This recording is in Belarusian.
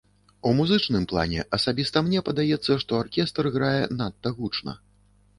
У музычным плане асабіста мне падаецца, што аркестр грае надта гучна.